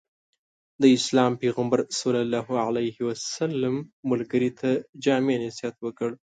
د اسلام پيغمبر ص ملګري ته جامع نصيحت وکړ.